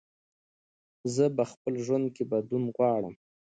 زه په خپل ژوند کې بدلون غواړم.